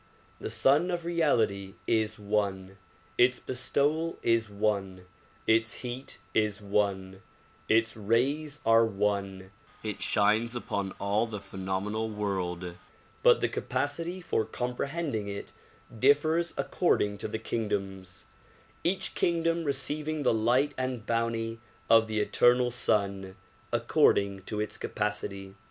The Sun of Reality is one, its bestowal is one, its heat is one, its rays are one; it shines upon all the phenomenal world, but the capacity for comprehending it differs according to the kingdoms ; each kingdom receiving the light and bounty of the eternal Sun according to its capacity.